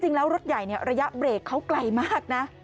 จริงแล้วรถใหญ่ในระยะเบรกเขาไกลมากนะ